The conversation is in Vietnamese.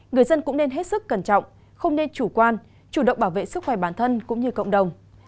người dân cũng nên hết sức cẩn trọng không nên chủ quan chủ động bảo vệ sức khỏe bản thân cũng như cộng đồng